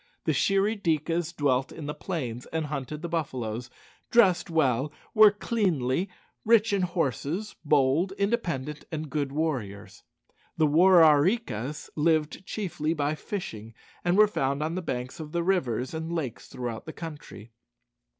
The Shirry dikas dwelt in the plains, and hunted the buffaloes; dressed well; were cleanly; rich in horses; bold, independent, and good warriors. The War are ree kas lived chiefly by fishing, and were found on the banks of the rivers and lakes throughout the country.